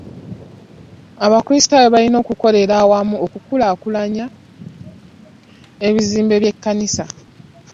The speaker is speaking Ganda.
Abakrisitaayo balina okukolera awamu okukulaakulanya ebizimbe by'ekkanisa.